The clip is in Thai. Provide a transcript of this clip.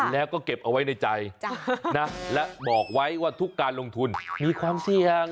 แล้วก็เก็บเอาไว้ในใจนะและบอกไว้ว่าทุกการลงทุนมีความเสี่ยง